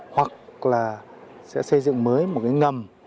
hoặc là sẽ xây dựng mới một cái ngầm